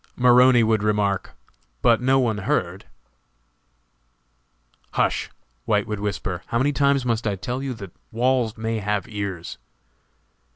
Maroney would remark, "But no one heard?" "Hush," White would whisper, "how many times must I tell you that walls may have ears?"